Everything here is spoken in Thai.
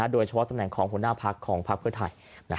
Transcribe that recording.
โดยเฉพาะตำแหน่งของหัวหน้าพักของพักเพื่อไทย